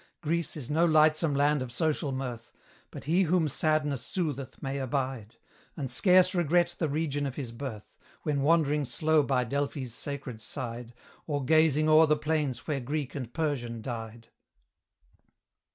Greece is no lightsome land of social mirth; But he whom Sadness sootheth may abide, And scarce regret the region of his birth, When wandering slow by Delphi's sacred side, Or gazing o'er the plains where Greek and Persian died.